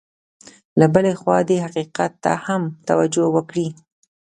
له بلې خوا دې حقیقت ته هم توجه وکړي.